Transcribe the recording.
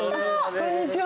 こんにちは。